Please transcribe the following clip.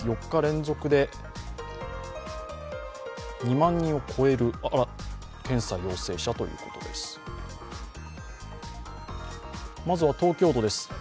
４日連続で２万人を超える検査陽性者ということです。